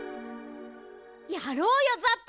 やろうよザッパ！